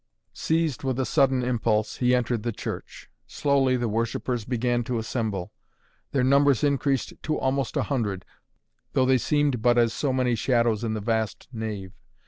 Seized with a sudden impulse he entered the church. Slowly the worshippers began to assemble. Their numbers increased to almost a hundred, though they seemed but as so many shadows in the vast nave.